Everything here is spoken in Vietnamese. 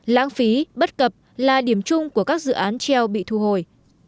lãng phí bất cập là điểm chung của các dự án treo bị thu hồi